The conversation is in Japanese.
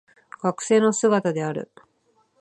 学生の姿である